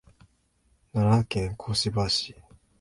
奈良県香芝市